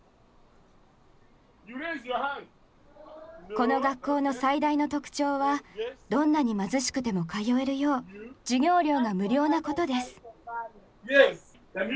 この学校の最大の特徴はどんなに貧しくても通えるよう授業料が無料なことです。